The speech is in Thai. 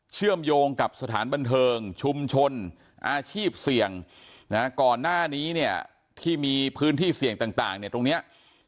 เชื่อมโยงกับสถานบันเทิงชุมชนอาชีพเสี่ยงนะก่อนหน้านี้เนี่ยที่มีพื้นที่เสี่ยงต่างเนี่ยตรงเนี้ย